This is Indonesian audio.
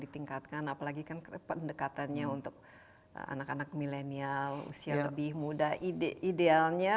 ditingkatkan apalagi kan pendekatannya untuk anak anak milenial usia lebih muda idealnya